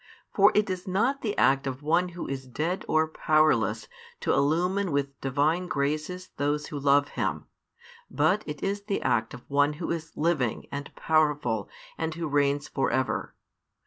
For it is not the act of one who is dead, or powerless to illumine with Divine graces those who love him, but it is the act of One Who is living and powerful and Who reigns for ever.